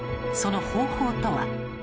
その方法とは？